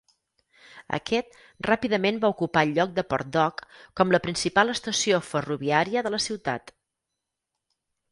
Aquest ràpidament va ocupar el lloc de Port Dock com la principal estació ferroviària de la ciutat.